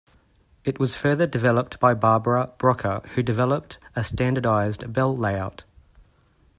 It was further developed by Barbara Brocker who developed a standardized bell layout.